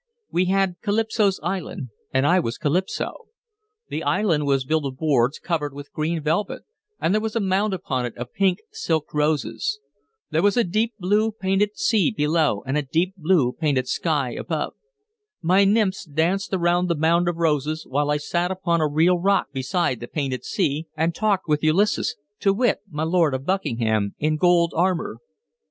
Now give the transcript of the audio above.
"We had Calypso's island, and I was Calypso. The island was built of boards covered with green velvet, and there was a mound upon it of pink silk roses. There was a deep blue painted sea below, and a deep blue painted sky above. My nymphs danced around the mound of roses, while I sat upon a real rock beside the painted sea and talked with Ulysses to wit, my Lord of Buckingham in gold armor.